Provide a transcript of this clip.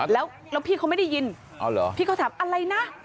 แล้วพี่เขาไม่ได้ยินพี่เขาถามอะไรนะ